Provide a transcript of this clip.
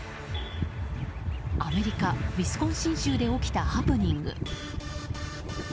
アメリカ・ウィスコンシン州で起きたハプニング。